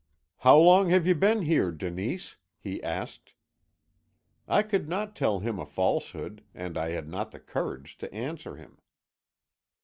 "'How long have you been here, Denise?' he asked. "I could not tell him a falsehood, and I had not the courage to answer him.